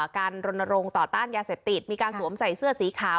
การรณรงค์ต่อต้านยาเสพติดมีการสวมใส่เสื้อสีขาว